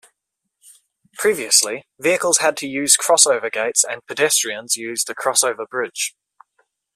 Previously, vehicles had to use crossover gates and pedestrians used a crossover bridge.